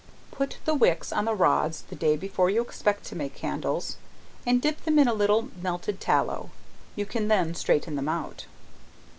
Put the wicks on the rods the day before you expect to make candles, and dip them in a little melted tallow, you can then straighten them out.